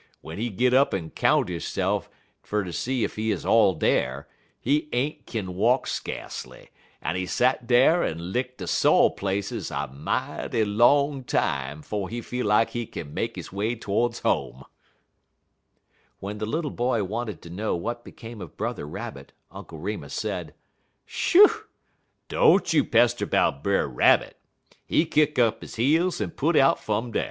W'en he git up en count hisse'f fer ter see ef he all dar, he ain't kin walk skacely, en he sat dar en lick de so' places a mighty long time 'fo' he feel lak he kin make he way todes home." When the little boy wanted to know what became of Brother Rabbit Uncle Remus said: "Shoo! don't you pester 'bout Brer Rabbit. He kick up he heels en put out fum dar."